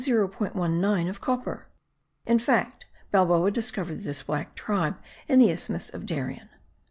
19 of copper. In fact, Balboa discovered this black tribe in the Isthmus of Darien.